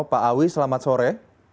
pak awi selamat sore